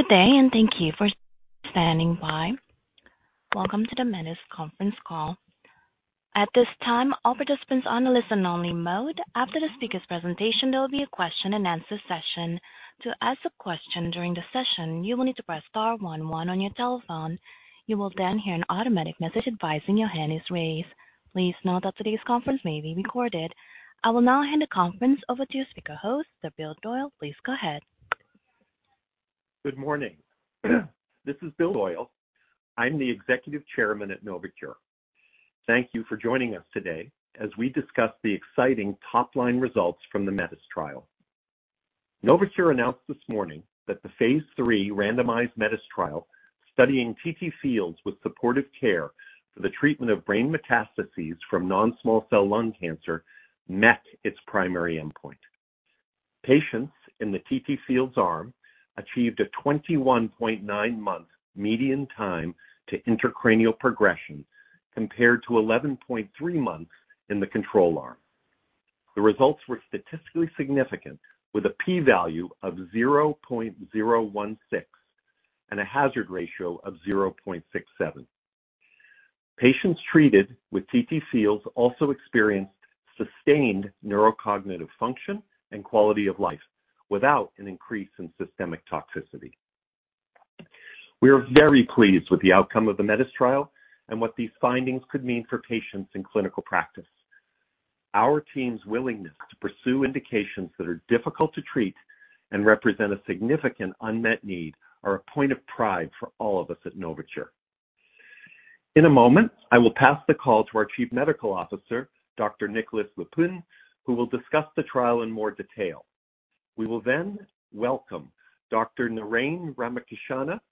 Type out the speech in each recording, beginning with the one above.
Good day, and thank you for standing by. Welcome to the METIS conference call. At this time, all participants are on a listen-only mode. After the speaker's presentation, there will be a question and answer session. To ask a question during the session, you will need to press star one one on your telephone. You will then hear an automatic message advising that your hand is raised. Please note that today's conference may be recorded. I will now hand the conference over to your speaker host, Bill Doyle. Please go ahead. Good morning. This is Bill Doyle. I'm the Executive Chairman at Novocure. Thank you for joining us today as we discuss the exciting top-line results from the METIS trial. Novocure announced this morning that the phase III randomized METIS trial, studying TTFields with supportive care for the treatment of brain metastases from non-small cell lung cancer, met its primary endpoint. Patients in the TTFields arm achieved a 21.9-month median time to intracranial progression, compared to 11.3 months in the control arm. The results were statistically significant, with a p-value of 0.016 and a hazard ratio of 0.67. Patients treated with TTFields also experienced sustained neurocognitive function and quality of life, without an increase in systemic toxicity. We are very pleased with the outcome of the METIS trial and what these findings could mean for patients in clinical practice. Our team's willingness to pursue indications that are difficult to treat and represent a significant unmet need are a point of pride for all of us at Novocure. In a moment, I will pass the call to our Chief Medical Officer, Dr. Nicolas Leupin, who will discuss the trial in more detail. We will then welcome Dr. Naren Ramakrishna,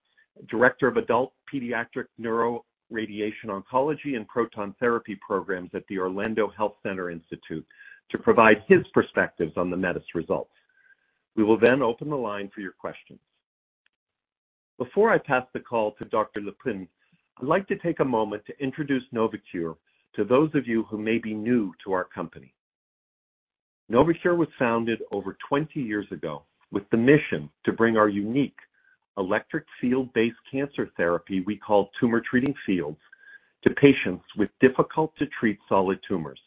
Director of Adult and Pediatric Neuroradiation Oncology and Proton Therapy Programs at the Orlando Health Cancer Institute, to provide his perspectives on the METIS results. We will then open the line for your questions. Before I pass the call to Dr. Leupin, I'd like to take a moment to introduce Novocure to those of you who may be new to our company. Novocure was founded over 20 years ago with the mission to bring our unique electric field-based cancer therapy, we call Tumor Treating Fields, to patients with difficult-to-treat solid tumors.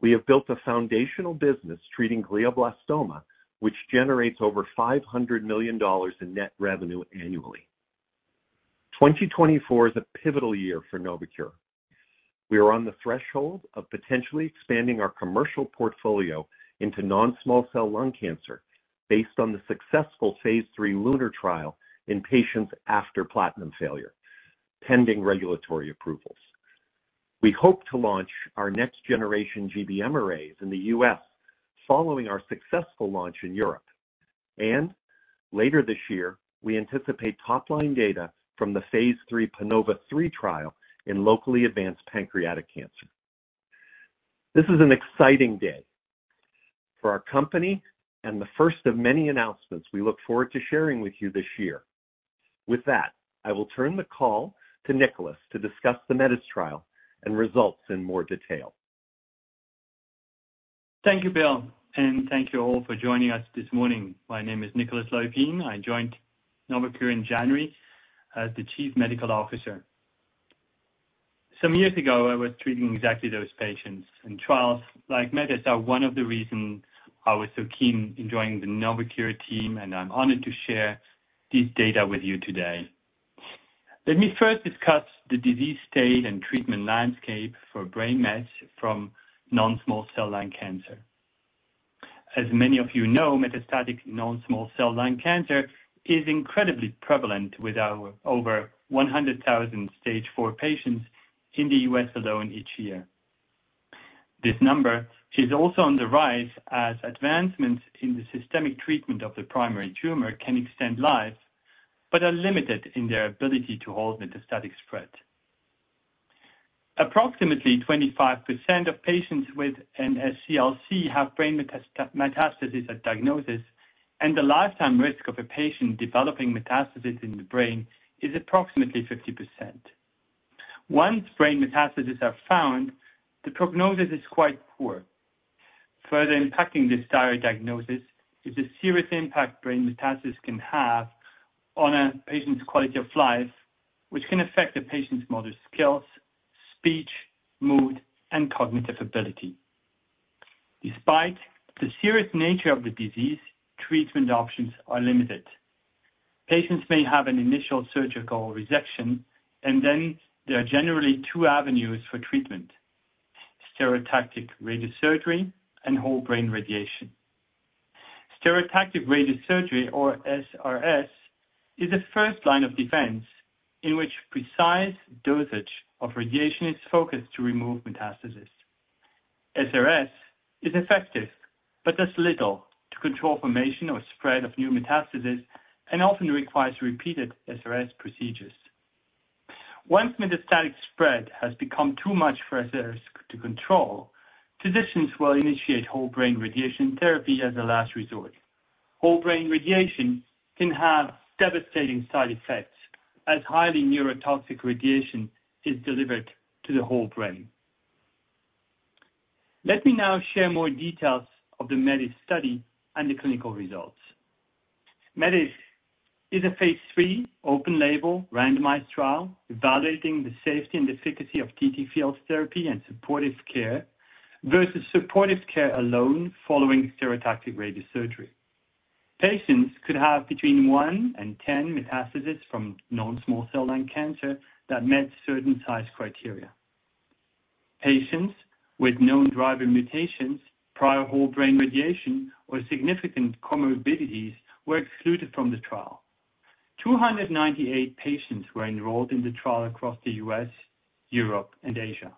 We have built a foundational business treating glioblastoma, which generates over $500 million in net revenue annually. 2024 is a pivotal year for Novocure. We are on the threshold of potentially expanding our commercial portfolio into non-small cell lung cancer, based on the successful phase III LUNAR trial in patients after platinum failure, pending regulatory approvals. We hope to launch our next generation GBM arrays in the U.S. following our successful launch in Europe. Later this year, we anticipate top line data from the phase III PANOVA-3 trial in locally advanced pancreatic cancer. This is an exciting day for our company and the first of many announcements we look forward to sharing with you this year. With that, I will turn the call to Nicolas to discuss the METIS trial and results in more detail. Thank you, Bill, and thank you all for joining us this morning. My name is Nicolas Leupin. I joined Novocure in January as the Chief Medical Officer. Some years ago, I was treating exactly those patients, and trials like METIS are one of the reasons I was so keen in joining the Novocure team, and I'm honored to share this data with you today. Let me first discuss the disease state and treatment landscape for brain mets from non-small cell lung cancer. As many of you know, metastatic non-small cell lung cancer is incredibly prevalent, with over 100,000 stage four patients in the U.S. alone each year. This number is also on the rise as advancements in the systemic treatment of the primary tumor can extend lives, but are limited in their ability to halt metastatic spread. Approximately 25% of patients with NSCLC have brain metastasis at diagnosis, and the lifetime risk of a patient developing metastasis in the brain is approximately 50%. Once brain metastases are found, the prognosis is quite poor. Further impacting this dire diagnosis is the serious impact brain metastasis can have on a patient's quality of life, which can affect the patient's motor skills, speech, mood, and cognitive ability. Despite the serious nature of the disease, treatment options are limited. Patients may have an initial surgical resection, and then there are generally two avenues for treatment: stereotactic radiosurgery and whole brain radiation. Stereotactic radiosurgery, or SRS, is a first line of defense in which precise dosage of radiation is focused to remove metastasis. SRS is effective, but does little to control formation or spread of new metastasis and often requires repeated SRS procedures. Once metastatic spread has become too much for SRS to control, physicians will initiate whole brain radiation therapy as a last resort. Whole brain radiation can have devastating side effects, as highly neurotoxic radiation is delivered to the whole brain. Let me now share more details of the METIS study and the clinical results. METIS is a phase III open label randomized trial, evaluating the safety and efficacy of TTFields therapy and supportive care, versus supportive care alone following stereotactic radiosurgery. Patients could have between one and 10 metastases from non-small cell lung cancer that met certain size criteria. Patients with known driver mutations, prior whole brain radiation, or significant comorbidities were excluded from the trial. 298 patients were enrolled in the trial across the U.S., Europe, and Asia.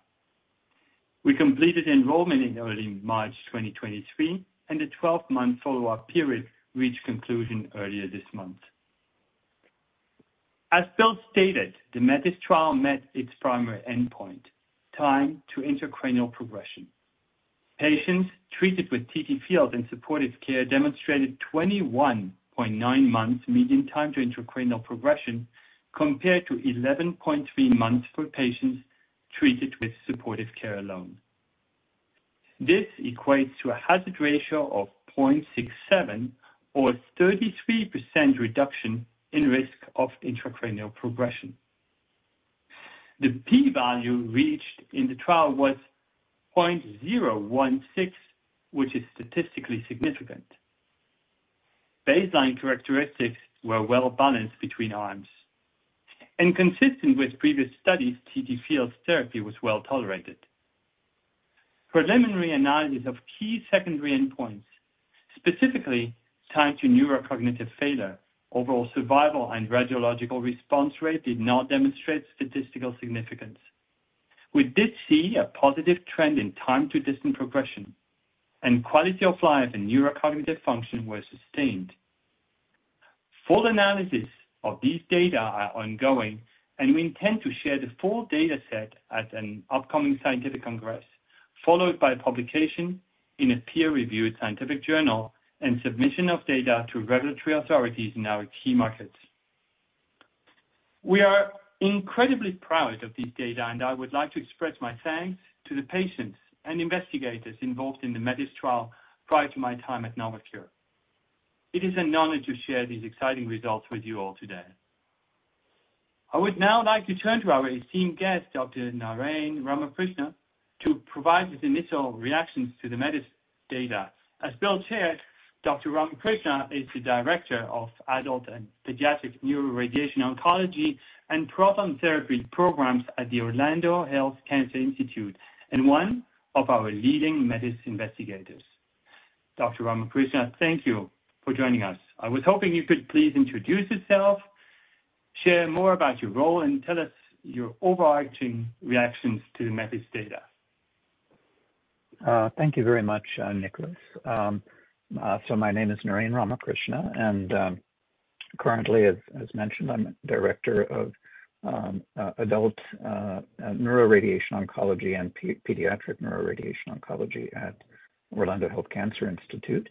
We completed enrollment in early March 2023, and the 12-month follow-up period reached conclusion earlier this month. As Bill stated, the METIS trial met its primary endpoint, time to intracranial progression. Patients treated with TTFields and supportive care demonstrated 21.9 months median time to intracranial progression, compared to 11.3 months for patients treated with supportive care alone. This equates to a hazard ratio of 0.67 or 33% reduction in risk of intracranial progression. The p-value reached in the trial was 0.016, which is statistically significant. Baseline characteristics were well balanced between arms. Consistent with previous studies, TTFields therapy was well tolerated. Preliminary analysis of key secondary endpoints, specifically time to neurocognitive failure, overall survival and radiological response rate, did not demonstrate statistical significance. We did see a positive trend in time to distant progression, and quality of life and neurocognitive function were sustained. Full analysis of these data are ongoing, and we intend to share the full data set at an upcoming scientific congress, followed by publication in a peer-reviewed scientific journal and submission of data to regulatory authorities in our key markets. We are incredibly proud of this data, and I would like to express my thanks to the patients and investigators involved in the METIS trial prior to my time at Novocure. It is an honor to share these exciting results with you all today. I would now like to turn to our esteemed guest, Dr. Naren Ramakrishna, to provide his initial reactions to the METIS data. As Bill shared, Dr. Ramakrishna is the Director of Adult and Pediatric Neuroradiation Oncology and Proton Therapy Programs at the Orlando Health Cancer Institute, and one of our leading METIS investigators. Dr. Ramakrishna, thank you for joining us. I was hoping you could please introduce yourself, share more about your role, and tell us your overarching reactions to the METIS data? Thank you very much, Nicolas. So my name is Naren Ramakrishna, and, currently, as mentioned, I'm the Director of Adult Neuroradiation Oncology and Pediatric Neuroradiation Oncology at Orlando Health Cancer Institute.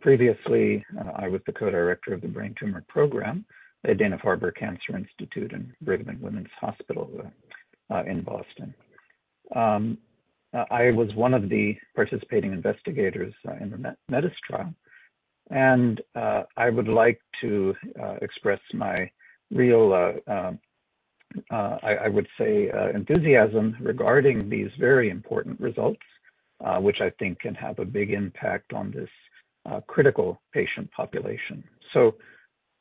Previously, I was the co-director of the brain tumor program at Dana-Farber Cancer Institute and Brigham and Women's Hospital in Boston. I was one of the participating investigators in the METIS trial, and I would like to express my real enthusiasm regarding these very important results, which I think can have a big impact on this critical patient population. So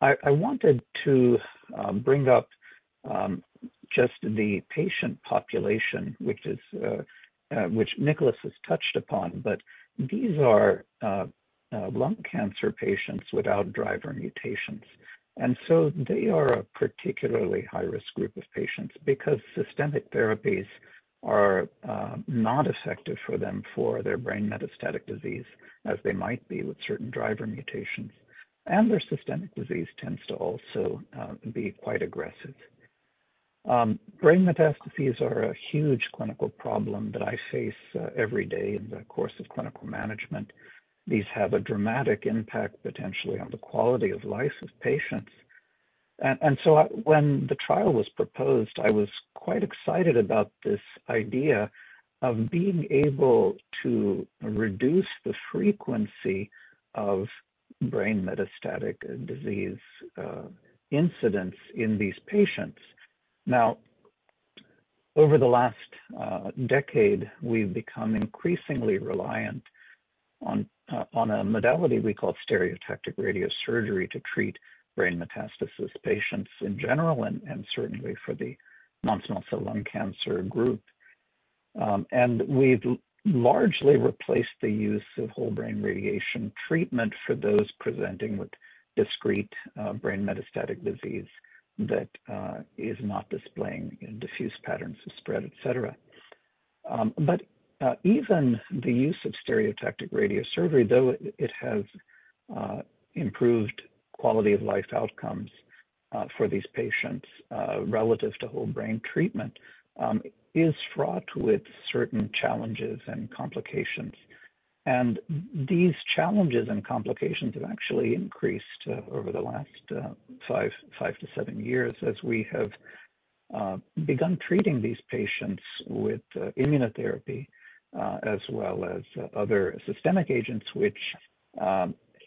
I wanted to bring up just the patient population, which Nicolas has touched upon, but these are lung cancer patients without driver mutations. And so they are a particularly high-risk group of patients because systemic therapies are not effective for them for their brain metastatic disease, as they might be with certain driver mutations. And their systemic disease tends to also be quite aggressive. Brain metastases are a huge clinical problem that I face every day in the course of clinical management. These have a dramatic impact, potentially on the quality of life of patients. And so when the trial was proposed, I was quite excited about this idea of being able to reduce the frequency of brain metastatic disease incidence in these patients. Now, over the last decade, we've become increasingly reliant on a modality we call stereotactic radiosurgery to treat brain metastasis patients in general, and certainly for the non-small cell lung cancer group. And we've largely replaced the use of whole brain radiation treatment for those presenting with discrete brain metastatic disease that is not displaying in diffuse patterns of spread, et cetera. But even the use of stereotactic radiosurgery, though it has improved quality of life outcomes for these patients relative to whole brain treatment, is fraught with certain challenges and complications. These challenges and complications have actually increased over the last five to seven years, as we have begun treating these patients with immunotherapy as well as other systemic agents, which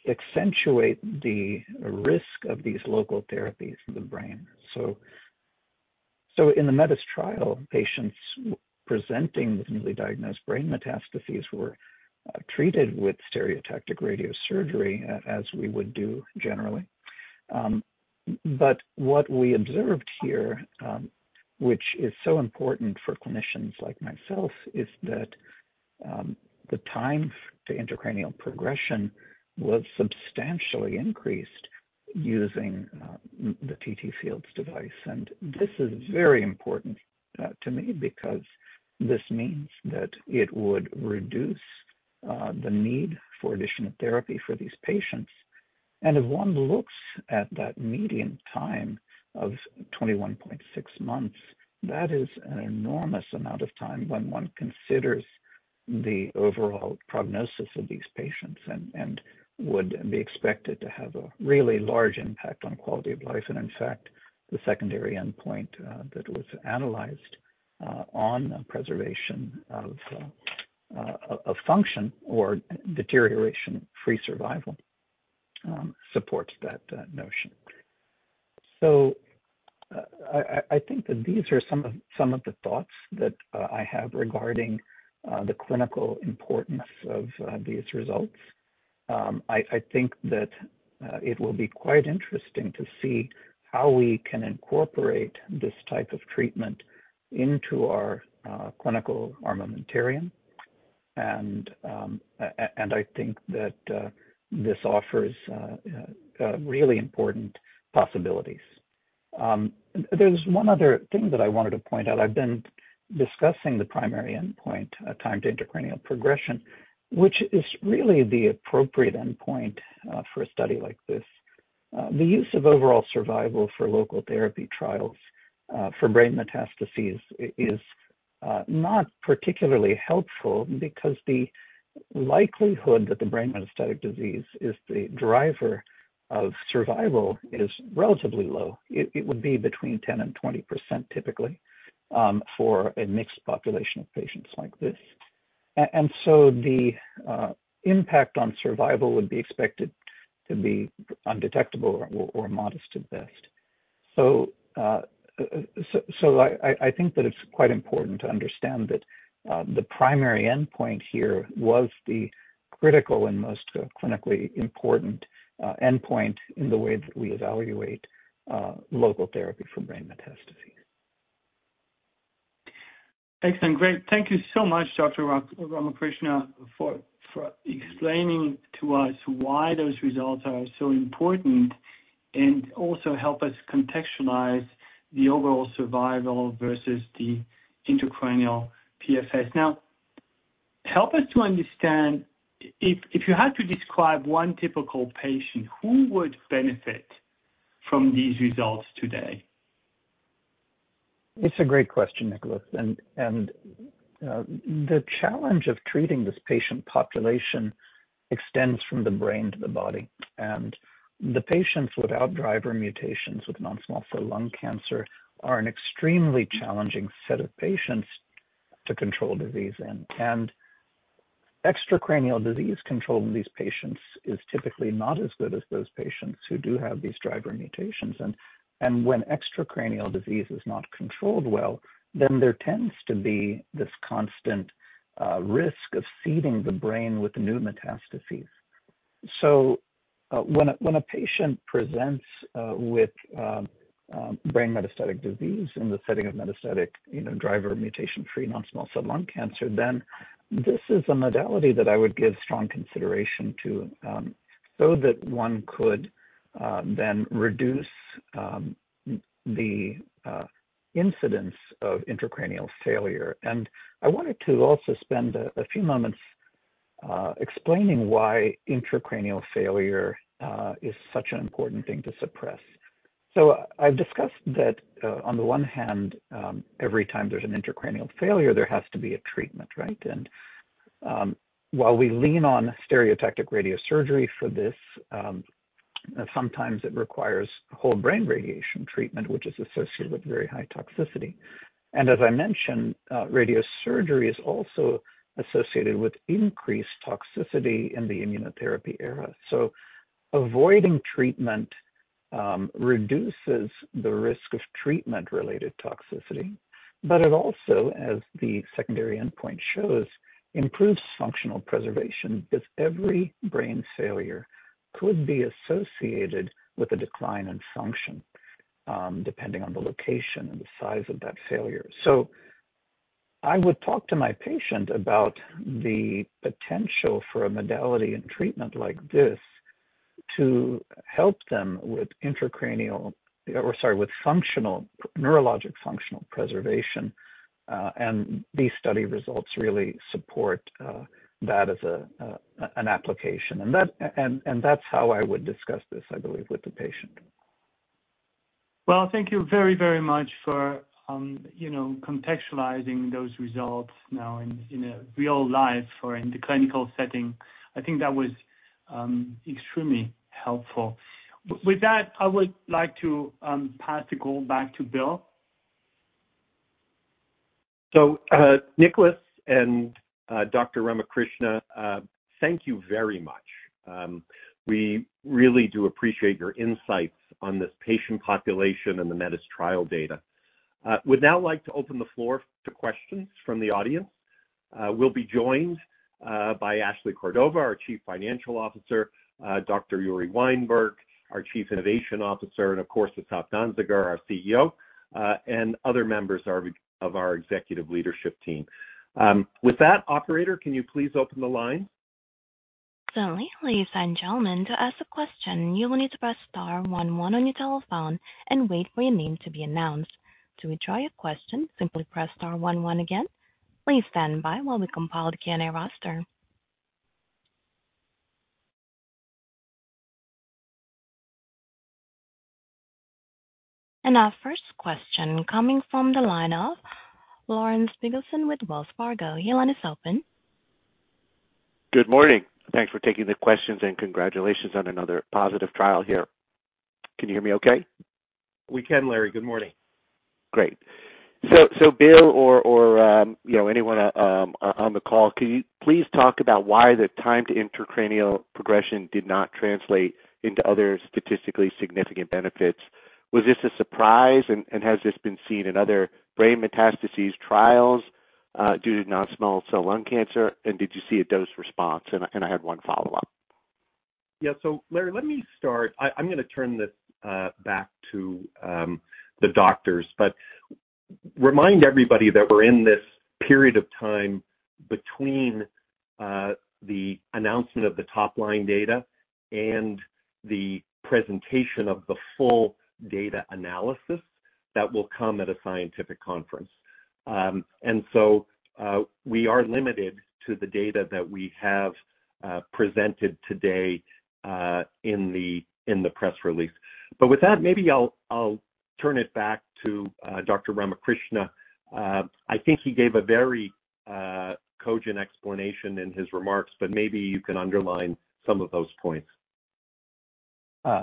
accentuate the risk of these local therapies in the brain. So in the METIS trial, patients presenting with newly diagnosed brain metastases were treated with stereotactic radiosurgery as we would do generally. But what we observed here, which is so important for clinicians like myself, is that the time to intracranial progression was substantially increased using the TTFields device. And this is very important to me, because this means that it would reduce the need for additional therapy for these patients. If one looks at that median time of 21.6 months, that is an enormous amount of time when one considers the overall prognosis of these patients and would be expected to have a really large impact on quality of life. In fact, the secondary endpoint that was analyzed on preservation of function or deterioration-free survival supports that notion. I think that these are some of the thoughts that I have regarding the clinical importance of these results. I think that it will be quite interesting to see how we can incorporate this type of treatment into our clinical armamentarium. And I think that this offers really important possibilities. There's one other thing that I wanted to point out. I've been discussing the primary endpoint, time to intracranial progression, which is really the appropriate endpoint for a study like this. The use of overall survival for local therapy trials for brain metastases is not particularly helpful because the likelihood that the brain metastatic disease is the driver of survival is relatively low. It would be between 10%-20% typically for a mixed population of patients like this. And so the impact on survival would be expected to be undetectable or modest at best. So I think that it's quite important to understand that the primary endpoint here was the critical and most clinically important endpoint in the way that we evaluate local therapy for brain metastases. Excellent. Great, thank you so much, Dr. Ramakrishna, for explaining to us why those results are so important and also help us contextualize the overall survival versus the intracranial PFS. Now, help us to understand if you had to describe one typical patient, who would benefit from these results today? It's a great question, Nicolas, and the challenge of treating this patient population extends from the brain to the body. The patients without driver mutations with non-small cell lung cancer are an extremely challenging set of patients to control disease in. Extracranial disease control in these patients is typically not as good as those patients who do have these driver mutations. When extracranial disease is not controlled well, then there tends to be this constant risk of seeding the brain with new metastases. So when a patient presents with brain metastatic disease in the setting of metastatic, you know, driver mutation-free non-small cell lung cancer, then this is a modality that I would give strong consideration to so that one could then reduce the incidence of intracranial failure. I wanted to also spend a few moments explaining why intracranial failure is such an important thing to suppress. So I've discussed that on the one hand, every time there's an intracranial failure, there has to be a treatment, right? And while we lean on stereotactic radiosurgery for this, sometimes it requires whole brain radiation treatment, which is associated with very high toxicity. And as I mentioned, radiosurgery is also associated with increased toxicity in the immunotherapy era. So avoiding treatment reduces the risk of treatment-related toxicity, but it also, as the secondary endpoint shows, improves functional preservation, because every brain failure could be associated with a decline in function, depending on the location and the size of that failure. So I would talk to my patient about the potential for a modality and treatment like this to help them with intracranial... Or sorry, with functional, neurologic functional preservation. And these study results really support that as a, an application. And that, and that's how I would discuss this, I believe, with the patient. ...Well, thank you very, very much for, you know, contextualizing those results now in, in a real life or in the clinical setting. I think that was extremely helpful. With that, I would like to pass the call back to Bill. So, Nicholas and, Dr. Ramakrishna, thank you very much. We really do appreciate your insights on this patient population and the METIS trial data. Would now like to open the floor to questions from the audience. We'll be joined by Ashley Cordova, our Chief Financial Officer, Dr. Uri Weinberg, our Chief Innovation Officer, and of course, Asaf Danziger, our CEO, and other members of our executive leadership team. With that, operator, can you please open the line? Certainly. Please, ladies and gentlemen, to ask a question, you will need to press star one one on your telephone and wait for your name to be announced. To withdraw your question, simply press star one one again. Please stand by while we compile the Q&A roster. Our first question coming from the line of Lawrence Biegelsen with Wells Fargo. Your line is open. Good morning. Thanks for taking the questions, and congratulations on another positive trial here. Can you hear me okay? We can, Larry. Good morning. Great. So Bill, or you know, anyone on the call, can you please talk about why the time to intracranial progression did not translate into other statistically significant benefits? Was this a surprise, and has this been seen in other brain metastases trials due to non-small cell lung cancer, and did you see a dose response? And I had one follow-up. Yeah. So, Larry, let me start. I'm gonna turn this back to the doctors. But remind everybody that we're in this period of time between the announcement of the top-line data and the presentation of the full data analysis that will come at a scientific conference. And so, we are limited to the data that we have presented today in the press release. But with that, maybe I'll turn it back to Dr. Ramakrishna. I think he gave a very cogent explanation in his remarks, but maybe you can underline some of those points.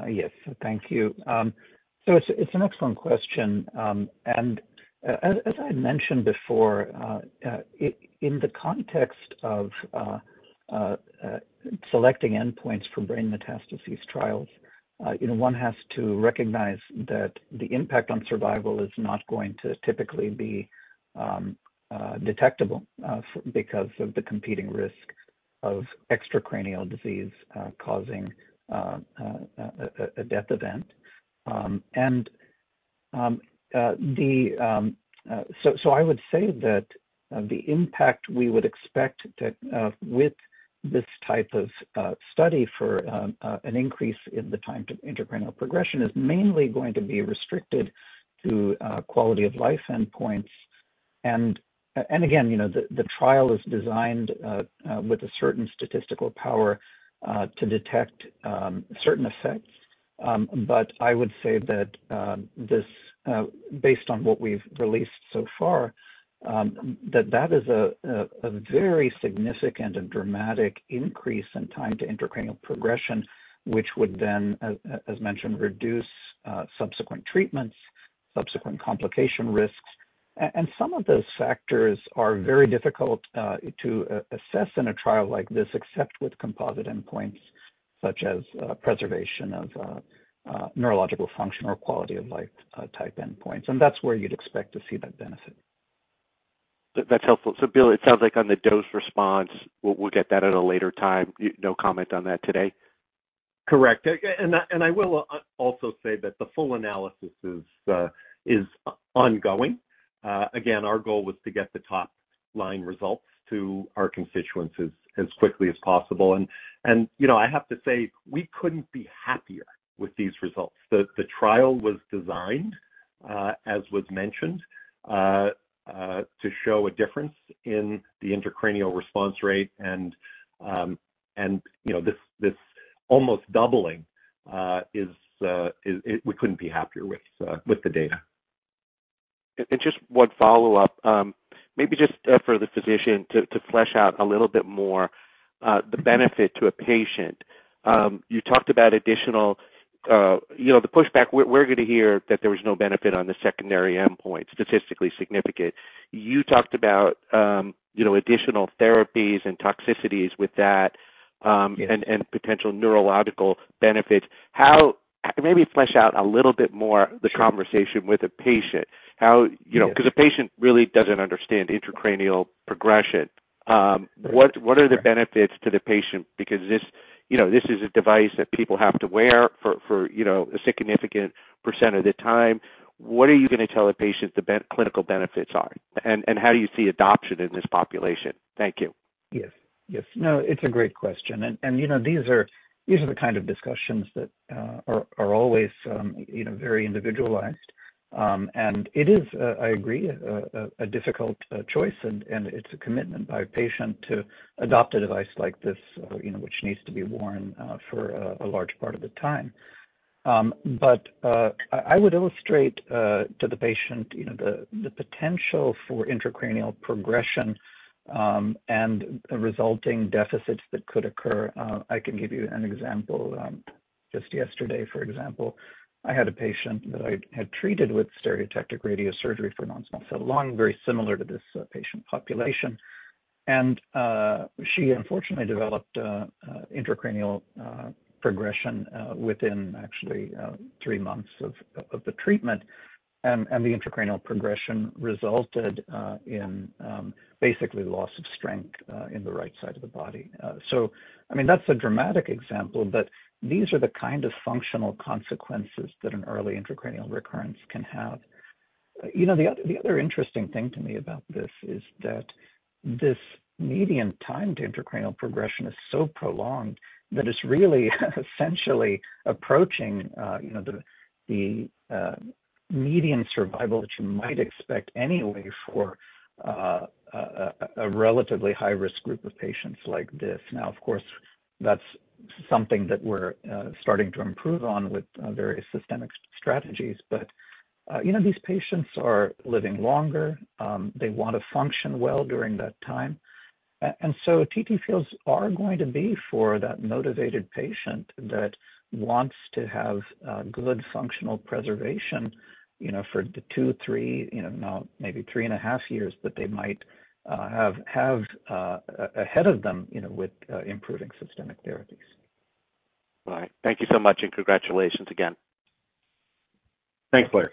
Yes. Thank you. So it's an excellent question, and as I mentioned before, in the context of selecting endpoints for brain metastases trials, you know, one has to recognize that the impact on survival is not going to typically be detectable because of the competing risk of extracranial disease causing a death event. And so I would say that the impact we would expect that with this type of study for an increase in the time to intracranial progression is mainly going to be restricted to quality of life endpoints. And again, you know, the trial is designed with a certain statistical power to detect certain effects. But I would say that this, based on what we've released so far, that that is a very significant and dramatic increase in time to intracranial progression, which would then, as mentioned, reduce subsequent treatments, subsequent complication risks. And some of those factors are very difficult to assess in a trial like this, except with composite endpoints such as preservation of neurological function or quality of life type endpoints. And that's where you'd expect to see that benefit. That's helpful. So, Bill, it sounds like on the dose response, we'll, we'll get that at a later time. No comment on that today? Correct. And I will also say that the full analysis is ongoing. Again, our goal was to get the top-line results to our constituents as quickly as possible. And, you know, I have to say, we couldn't be happier with these results. The trial was designed, as was mentioned, to show a difference in the intracranial response rate, and, you know, this almost doubling is. We couldn't be happier with the data. Just one follow-up, maybe just for the physician to flesh out a little bit more the benefit to a patient. You talked about additional, you know, the pushback. We're going to hear that there was no benefit on the secondary endpoint, statistically significant. You talked about, you know, additional therapies and toxicities with that, and potential neurological benefits. How—maybe flesh out a little bit more the conversation with a patient. How, you know— Yes. Because a patient really doesn't understand intracranial progression. What are the benefits to the patient? Because this, you know, this is a device that people have to wear for, you know, a significant percent of the time. What are you going to tell a patient the clinical benefits are? And how do you see adoption in this population? Thank you. Yes, yes. No, it's a great question, and, you know, these are the kind of discussions that are always, you know, very individualized. And it is, I agree, a difficult choice, and it's a commitment by a patient to adopt a device like this, you know, which needs to be worn for a large part of the time. But I would illustrate to the patient, you know, the potential for intracranial progression, and the resulting deficits that could occur. I can give you an example. Just yesterday, for example, I had a patient that I had treated with stereotactic radiosurgery for non-small cell lung, very similar to this patient population. She unfortunately developed intracranial progression within actually three months of the treatment. And the intracranial progression resulted in basically loss of strength in the right side of the body. So, I mean, that's a dramatic example, but these are the kind of functional consequences that an early intracranial recurrence can have. You know, the other interesting thing to me about this is that this median time to intracranial progression is so prolonged that it's really essentially approaching, you know, the median survival that you might expect anyway for a relatively high-risk group of patients like this. Now, of course, that's something that we're starting to improve on with various systemic strategies. But, you know, these patients are living longer, they want to function well during that time. And so TT Fields are going to be for that motivated patient that wants to have good functional preservation, you know, for two, three, you know, now maybe 3.5 years, but they might have ahead of them, you know, with improving systemic therapies. All right. Thank you so much, and congratulations again. Thanks, Larry.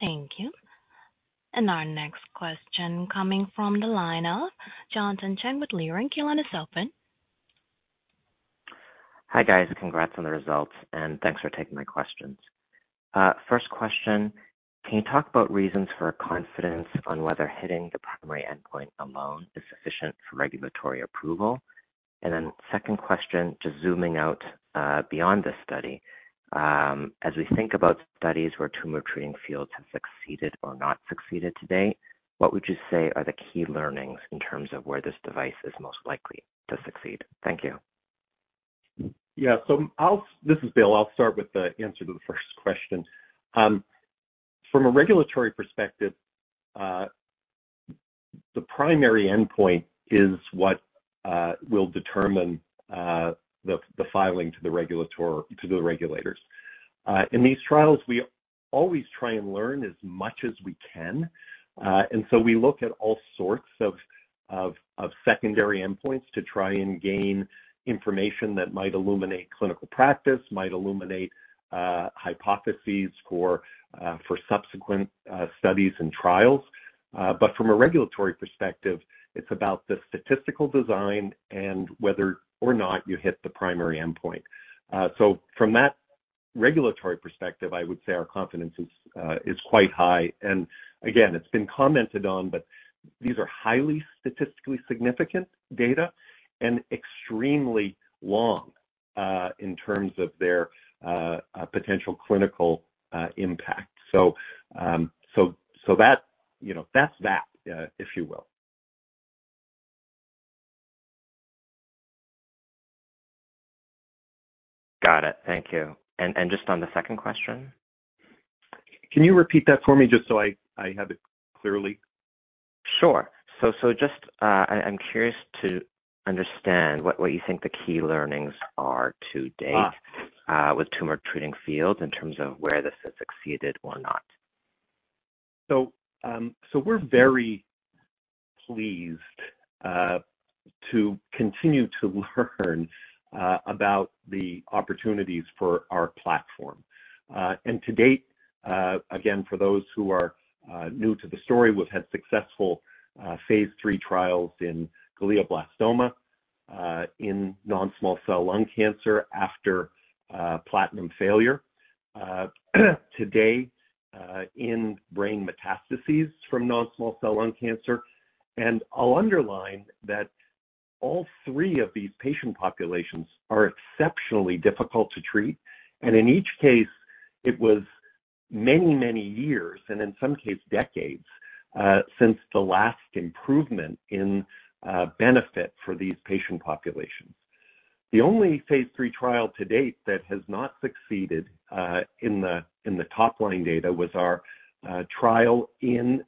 Thank you. Our next question coming from the line of Jonathan Chang with Leerink. Your line is open. Hi, guys. Congrats on the results, and thanks for taking my questions. First question, can you talk about reasons for confidence on whether hitting the primary endpoint alone is sufficient for regulatory approval? And then second question, just zooming out, beyond this study, as we think about studies where tumor treating fields have succeeded or not succeeded to date, what would you say are the key learnings in terms of where this device is most likely to succeed? Thank you. Yeah. So I'll... This is Bill. I'll start with the answer to the first question. From a regulatory perspective, the primary endpoint is what will determine the filing to the regulator, to the regulators. In these trials, we always try and learn as much as we can, and so we look at all sorts of secondary endpoints to try and gain information that might illuminate clinical practice, might illuminate hypotheses for subsequent studies and trials. But from a regulatory perspective, it's about the statistical design and whether or not you hit the primary endpoint. So from that regulatory perspective, I would say our confidence is quite high. And again, it's been commented on, but these are highly statistically significant data and extremely long in terms of their potential clinical impact. So, so that you know, that's that, if you will. Got it. Thank you. And just on the second question? Can you repeat that for me just so I have it clearly? Sure. So just, I’m curious to understand what you think the key learnings are to date? Ah. With Tumor Treating Fields in terms of where this has succeeded or not. So we're very pleased to continue to learn about the opportunities for our platform. And to date, again, for those who are new to the story, we've had successful phase III trials in glioblastoma, in non-small cell lung cancer after platinum failure, today, in brain metastases from non-small cell lung cancer. And I'll underline that all three of these patient populations are exceptionally difficult to treat, and in each case, it was many, many years, and in some cases, decades, since the last improvement in benefit for these patient populations. The only phase III trial to date that has not succeeded in the top line data was our trial in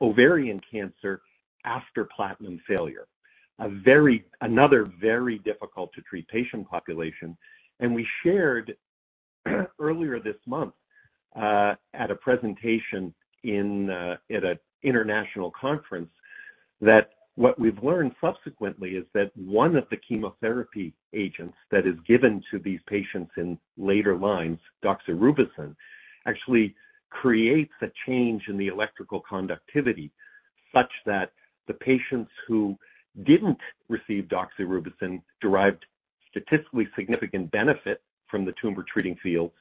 ovarian cancer after platinum failure, a very... another very difficult-to-treat patient population. We shared, earlier this month, at a presentation in, at an international conference, that what we've learned subsequently is that one of the chemotherapy agents that is given to these patients in later lines, doxorubicin, actually creates a change in the electrical conductivity, such that the patients who didn't receive doxorubicin derived statistically significant benefit from the Tumor Treating Fields,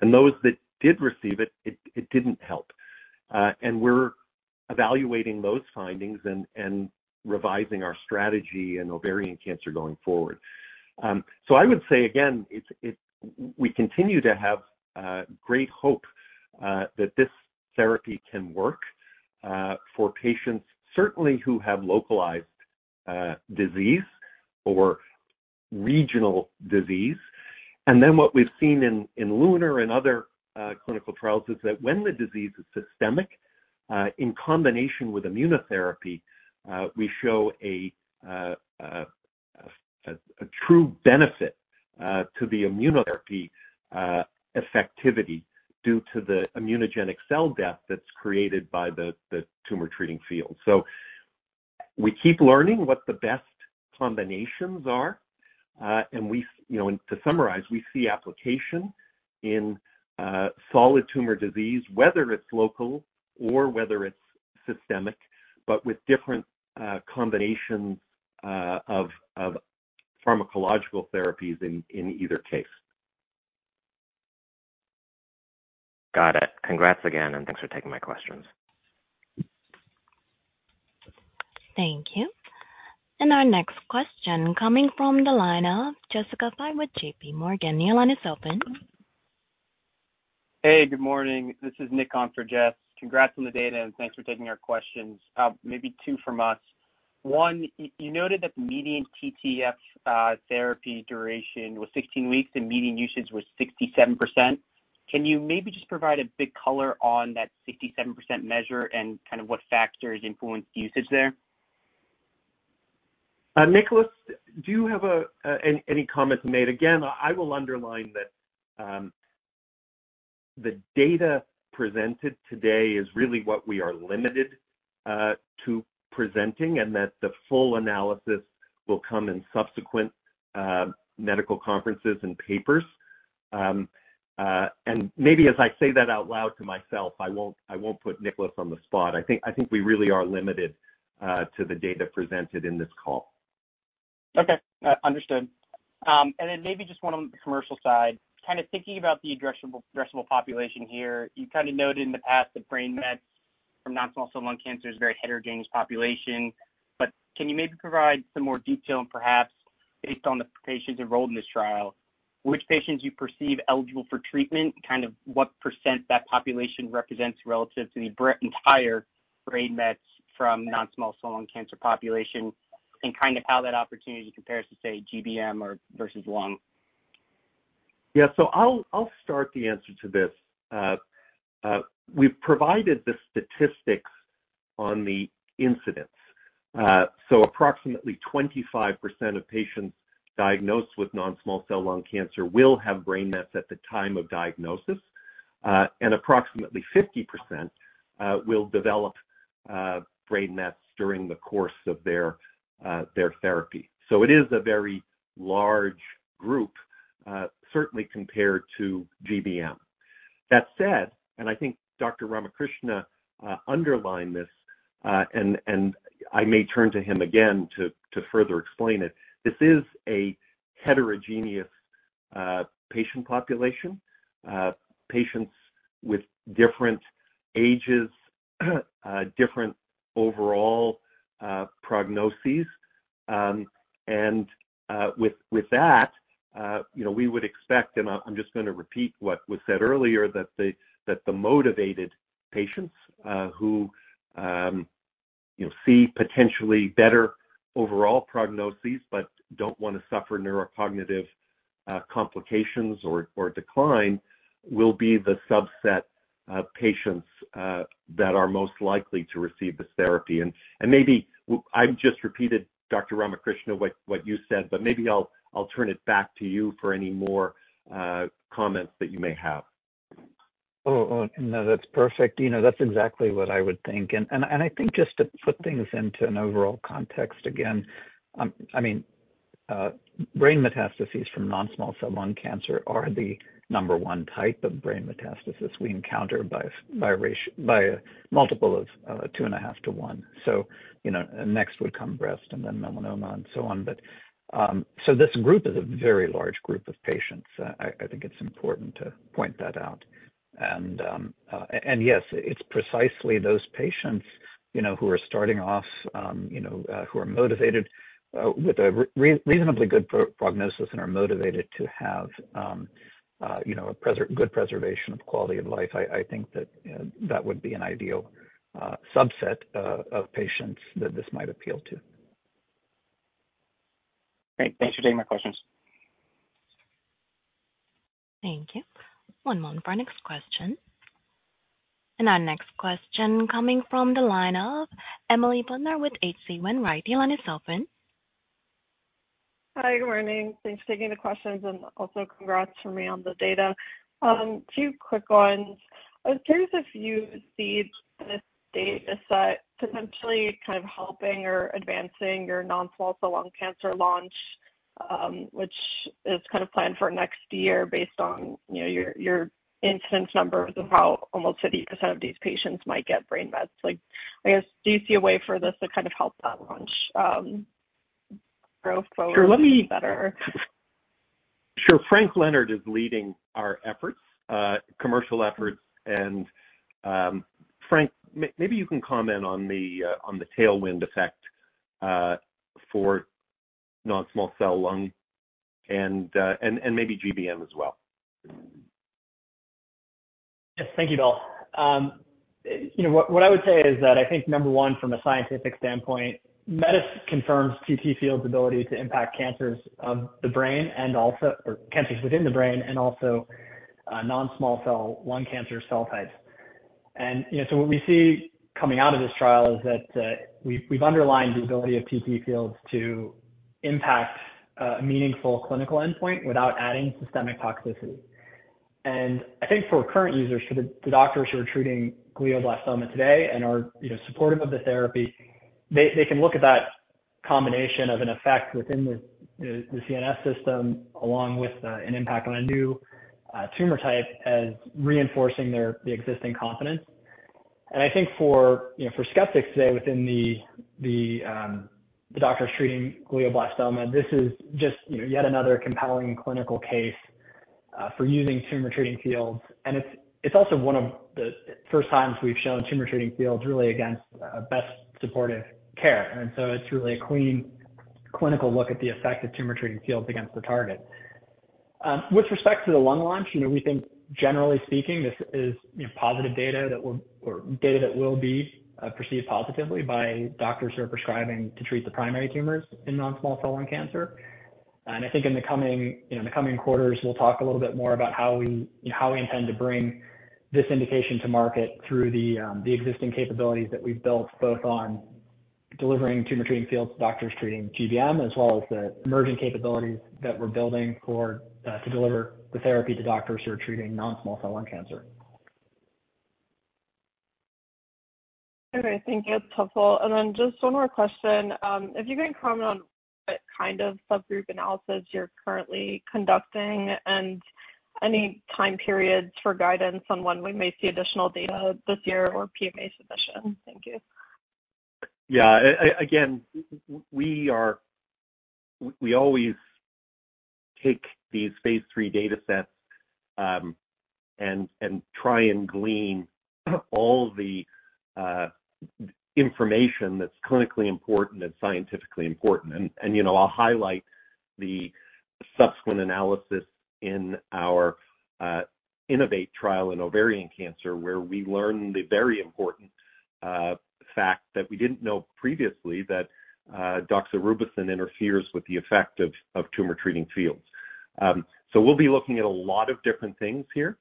and those that did receive it, it didn't help. We're evaluating those findings and revising our strategy in ovarian cancer going forward. So I would say again, we continue to have great hope that this therapy can work for patients certainly who have localized disease or regional disease. And then what we've seen in LUNAR and other clinical trials is that when the disease is systemic in combination with immunotherapy we show a true benefit to the immunotherapy effectivity due to the immunogenic cell death that's created by the tumor treating field. So we keep learning what the best combinations are and we you know and to summarize we see application in solid tumor disease whether it's local or whether it's systemic but with different combinations of pharmacological therapies in either case. Got it. Congrats again, and thanks for taking my questions. Thank you. And our next question coming from the line of Jessica Fye with JPMorgan. Your line is open. Hey, good morning. This is Nick on for Jess. Congrats on the data, and thanks for taking our questions. Maybe two from us. One, you noted that the median TTF therapy duration was 16 weeks, and median usage was 67%. Can you maybe just provide a bit color on that 67% measure and kind of what factors influence usage there? Nicolas, do you have any comments made? Again, I will underline that, the data presented today is really what we are limited to presenting, and that the full analysis will come in subsequent medical conferences and papers. And maybe as I say that out loud to myself, I won't, I won't put Nicolas on the spot. I think, I think we really are limited to the data presented in this call. Okay, understood. And then maybe just one on the commercial side. Kind of thinking about the addressable population here, you kind of noted in the past that brain mets from non-small cell lung cancer is a very heterogeneous population. But can you maybe provide some more detail, and perhaps based on the patients enrolled in this trial, which patients you perceive eligible for treatment, kind of what % that population represents relative to the entire brain mets from non-small cell lung cancer population, and kind of how that opportunity compares to, say, GBM or versus lung? Yeah. So I'll start the answer to this. We've provided the statistics on the incidence. So approximately 25% of patients diagnosed with non-small cell lung cancer will have brain mets at the time of diagnosis, and approximately 50% will develop brain mets during the course of their therapy. So it is a very large group, certainly compared to GBM. That said, and I think Dr. Ramakrishna underlined this, and I may turn to him again to further explain it, this is a heterogeneous patient population. Patients with different ages, different overall prognoses. And, with, with that, you know, we would expect, and I'm just going to repeat what was said earlier, that the, that the motivated patients, who, you know, see potentially better overall prognoses but don't want to suffer neurocognitive, complications or, or decline, will be the subset of patients, that are most likely to receive this therapy. And, and maybe I've just repeated, Dr. Ramakrishna, what, what you said, but maybe I'll, I'll turn it back to you for any more, comments that you may have. Oh, oh, no, that's perfect. You know, that's exactly what I would think. And I think just to put things into an overall context again, I mean, brain metastases from non-small cell lung cancer are the number one type of brain metastasis we encounter by a multiple of 2.5 to one. So, you know, next would come breast and then melanoma and so on. But so this group is a very large group of patients. I think it's important to point that out. And yes, it's precisely those patients, you know, who are starting off, you know, who are motivated with a reasonably good prognosis and are motivated to have, you know, a good preservation of quality of life. I think that would be an ideal subset of patients that this might appeal to. Great. Thanks for taking my questions. Thank you. One moment for our next question. Our next question coming from the line of Emily Bodnar with H.C. Wainwright. The line is open. Hi, good morning. Thanks for taking the questions, and also congrats from me on the data. Two quick ones. I was curious if you see this data set potentially kind of helping or advancing your non-small cell lung cancer launch, which is kind of planned for next year based on, you know, your, your incidence numbers of how almost 50% of these patients might get brain mets. Like, I guess, do you see a way for this to kind of help that launch, growth go better?... Sure. Frank Leonard is leading our efforts, commercial efforts. And, Frank, maybe you can comment on the tailwind effect for non-small cell lung and maybe GBM as well. Yes. Thank you, Bill. You know, what I would say is that I think number one, from a scientific standpoint, METIS confirms TTFields' ability to impact cancers of the brain and also, or cancers within the brain, and also, non-small cell lung cancer cell types. And, you know, so what we see coming out of this trial is that, we've underlined the ability of TTFields to impact a meaningful clinical endpoint without adding systemic toxicity. And I think for current users, for the doctors who are treating glioblastoma today and are, you know, supportive of the therapy, they can look at that combination of an effect within the CNS system, along with an impact on a new tumor type as reinforcing their the existing confidence. And I think for, you know, for skeptics today, within the doctors treating glioblastoma, this is just, you know, yet another compelling clinical case for using Tumor Treating Fields. And it's also one of the first times we've shown Tumor Treating Fields really against best supportive care. And so it's really a clean clinical look at the effect of Tumor Treating Fields against the target. With respect to the lung launch, you know, we think generally speaking, this is, you know, positive data that will be perceived positively by doctors who are prescribing to treat the primary tumors in non-small cell lung cancer. I think in the coming, you know, in the coming quarters, we'll talk a little bit more about how we, you know, how we intend to bring this indication to market through the, the existing capabilities that we've built, both on delivering Tumor Treating Fields to doctors treating GBM, as well as the emerging capabilities that we're building for, to deliver the therapy to doctors who are treating non-small cell lung cancer. Okay, thank you. That's helpful. And then just one more question, if you can comment on what kind of subgroup analysis you're currently conducting, and any time periods for guidance on when we may see additional data this year or PMA submission? Thank you. Yeah. Again, we always take these phase III data sets, and try and glean all the information that's clinically important and scientifically important. And, you know, I'll highlight the subsequent analysis in our INNOVATE trial in ovarian cancer, where we learned the very important fact that we didn't know previously, that doxorubicin interferes with the effect of Tumor Treating Fields. So we'll be looking at a lot of different things here.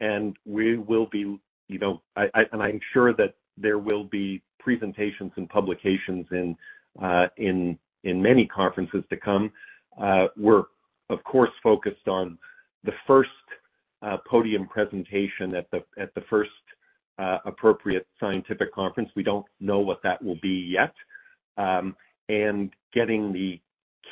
And we will be, you know, and I'm sure that there will be presentations and publications in many conferences to come. We're, of course, focused on the first podium presentation at the first appropriate scientific conference. We don't know what that will be yet. and getting the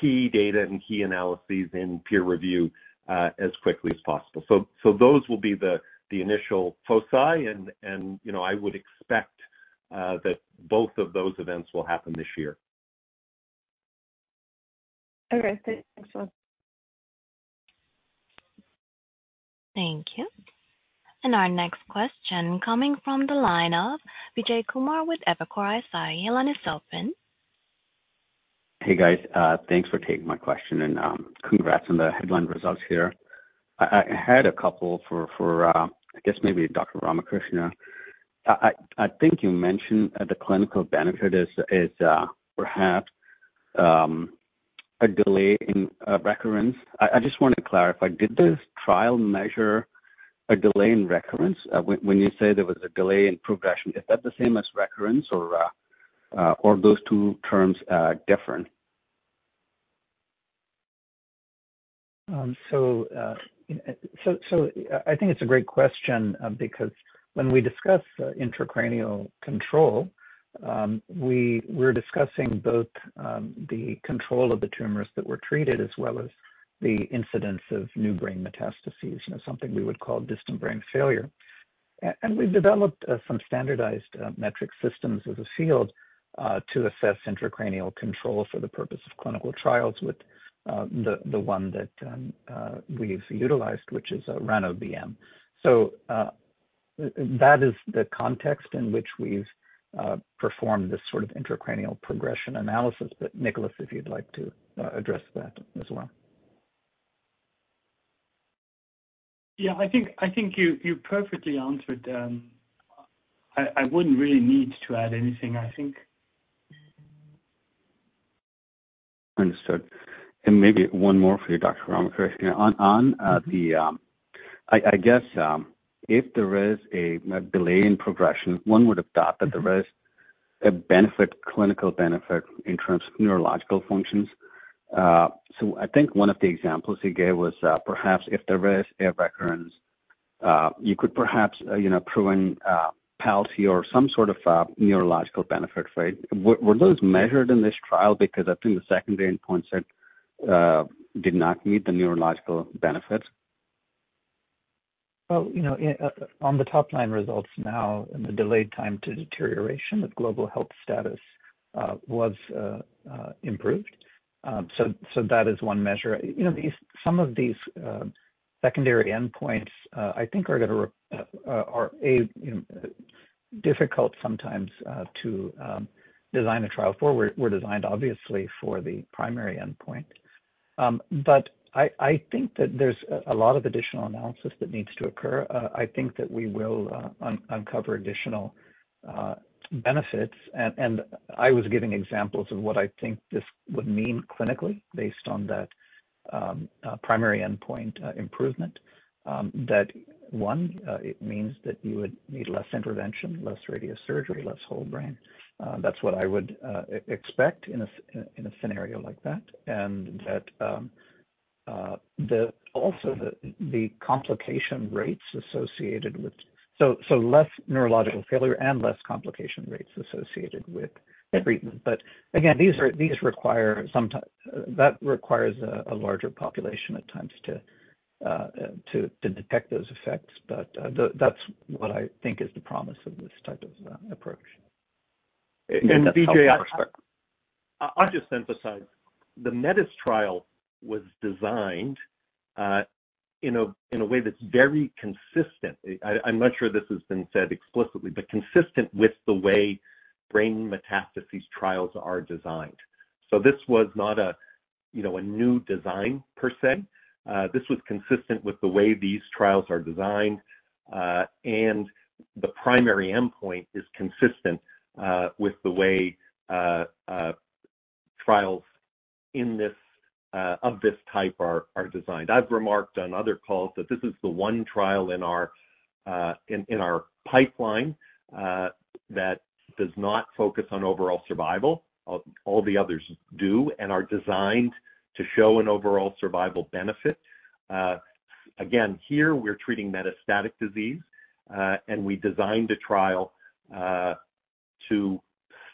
key data and key analyses in peer review as quickly as possible. Those will be the initial foci, and you know, I would expect that both of those events will happen this year. Okay, thank you. Excellent. Thank you. And our next question coming from the line of Vijay Kumar with Evercore ISI. Your line is open. Hey, guys. Thanks for taking my question, and congrats on the headline results here. I had a couple for I guess maybe Dr. Ramakrishna. I think you mentioned that the clinical benefit is perhaps a delay in recurrence. I just want to clarify, did this trial measure a delay in recurrence? When you say there was a delay in progression, is that the same as recurrence, or are those two terms different? So, I think it's a great question, because when we discuss intracranial control, we're discussing both the control of the tumors that were treated, as well as the incidence of new brain metastases, you know, something we would call distant brain failure. And we've developed some standardized metric systems as a field to assess intracranial control for the purpose of clinical trials with the one that we've utilized, which is RANO BM. So, that is the context in which we've performed this sort of intracranial progression analysis. But Nicolas, if you'd like to address that as well. Yeah, I think, I think you, you perfectly answered. I, I wouldn't really need to add anything, I think. Understood. And maybe one more for you, Dr. Ramakrishna. I guess if there is a delay in progression, one would adopt that there is a benefit, clinical benefit in terms of neurological functions. So I think one of the examples you gave was perhaps if there is a recurrence, you could perhaps you know prevent palsy or some sort of neurological benefit, right? Were those measured in this trial? Because I think the secondary endpoint said did not meet the neurological benefits.... Well, you know, on the top line results now and the delayed time to deterioration, the global health status was improved. So that is one measure. You know, these some of these secondary endpoints, I think are gonna re- are, you know, difficult sometimes to design a trial for. Were designed obviously for the primary endpoint. But I think that there's a lot of additional analysis that needs to occur. I think that we will uncover additional benefits. And I was giving examples of what I think this would mean clinically, based on that primary endpoint improvement. That one it means that you would need less intervention, less radiosurgery, less whole brain. That's what I would expect in a scenario like that, and that also, the complication rates associated with less neurological failure and less complication rates associated with the treatment. But again, these require sometimes that requires a larger population at times to detect those effects. But that's what I think is the promise of this type of approach. And Vijay, I'll just emphasize, the METIS trial was designed in a way that's very consistent. I'm not sure this has been said explicitly, but consistent with the way brain metastases trials are designed. So this was not a, you know, a new design per se. This was consistent with the way these trials are designed, and the primary endpoint is consistent with the way trials in this of this type are designed. I've remarked on other calls that this is the one trial in our in our pipeline that does not focus on overall survival. All the others do and are designed to show an overall survival benefit. Again, here, we're treating metastatic disease, and we designed a trial to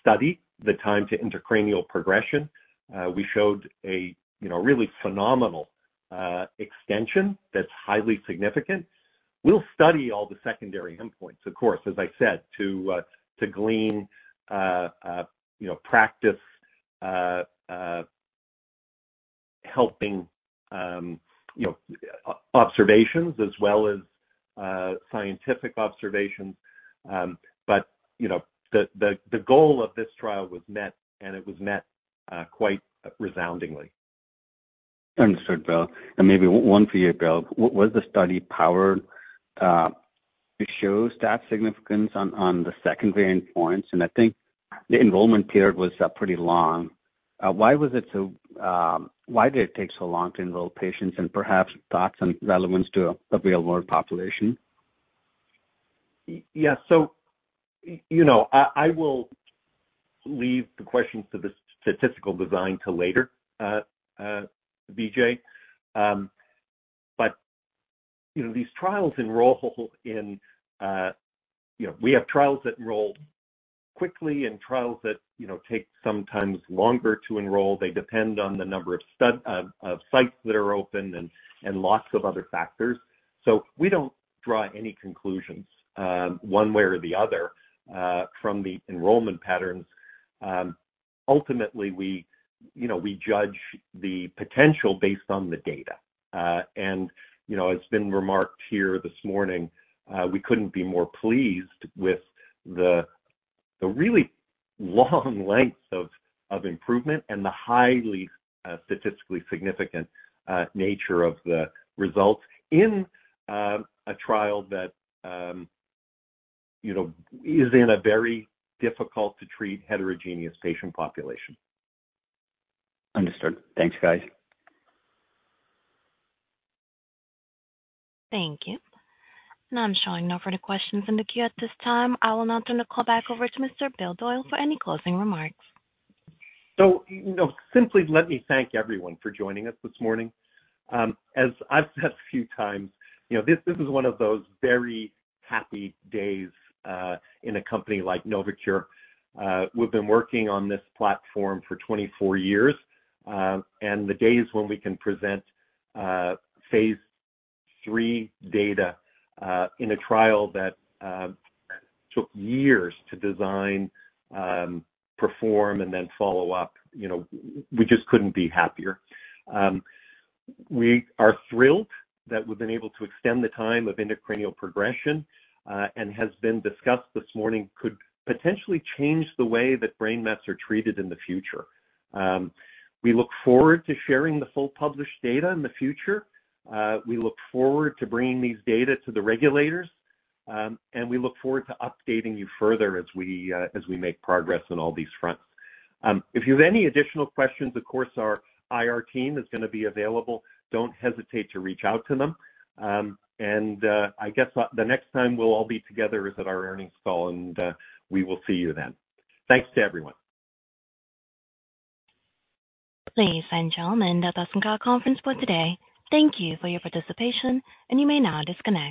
study the time to intracranial progression. We showed a, you know, really phenomenal extension that's highly significant. We'll study all the secondary endpoints, of course, as I said, to glean, you know, practical observations as well as scientific observations. But, you know, the goal of this trial was met, and it was met quite resoundingly. Understood, Bill. And maybe one for you, Bill. Was the study powered to show statistical significance on the secondary endpoints? And I think the enrollment period was pretty long. Why was it so, why did it take so long to enroll patients? And perhaps thoughts on relevance to a real-world population. Yeah, so, you know, I will leave the questions to the statistical design to later, Vijay. But, you know, these trials enroll in... You know, we have trials that enroll quickly and trials that, you know, take sometimes longer to enroll. They depend on the number of sites that are open and lots of other factors. So we don't draw any conclusions one way or the other from the enrollment patterns. Ultimately, we, you know, we judge the potential based on the data. And, you know, it's been remarked here this morning, we couldn't be more pleased with the really long lengths of improvement and the highly statistically significant nature of the results in a trial that, you know, is in a very difficult-to-treat heterogeneous patient population. Understood. Thanks, guys. Thank you. Now I'm showing no further questions in the queue at this time. I will now turn the call back over to Mr. Bill Doyle for any closing remarks. So, you know, simply let me thank everyone for joining us this morning. As I've said a few times, you know, this, this is one of those very happy days in a company like Novocure. We've been working on this platform for 24 years, and the days when we can present phase III data in a trial that took years to design, perform, and then follow up, you know, we just couldn't be happier. We are thrilled that we've been able to extend the time of intracranial progression, and has been discussed this morning, could potentially change the way that brain mets are treated in the future. We look forward to sharing the full published data in the future. We look forward to bringing these data to the regulators, and we look forward to updating you further as we make progress on all these fronts. If you have any additional questions, of course, our IR team is gonna be available. Don't hesitate to reach out to them. And I guess the next time we'll all be together is at our earnings call, and we will see you then. Thanks to everyone. Ladies and gentlemen, that does end our conference for today. Thank you for your participation, and you may now disconnect.